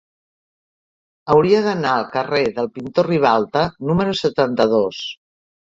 Hauria d'anar al carrer del Pintor Ribalta número setanta-dos.